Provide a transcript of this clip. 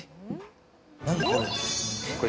何これ。